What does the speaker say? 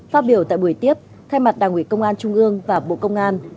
phát biểu tại buổi tiếp thay mặt đảng ủy công an trung ương và bộ công an